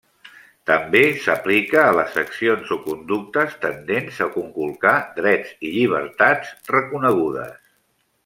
També s'aplica a les accions o conductes tendents a conculcar drets i llibertats reconegudes.